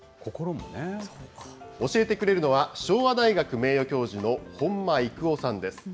教えてくれるのは、昭和大学名誉教授の本間生夫さんです。